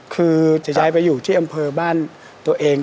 คือจะย้ายไปอยู่ที่อำเภอบ้านตัวเอง